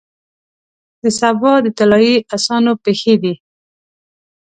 د سبا د طلایې اسانو پښې دی،